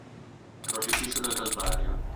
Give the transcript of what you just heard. Crocifisso del Calvario".